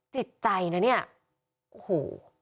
จิตใจนะเนี่ยโอ้โห